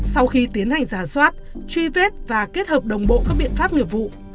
sau khi tiến hành giả soát truy vết và kết hợp đồng bộ các biện pháp nghiệp vụ